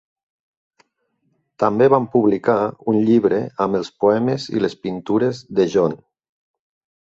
També van publicar un llibre amb els poemes i les pintures de John.